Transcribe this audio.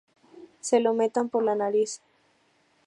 se lo metan por la nariz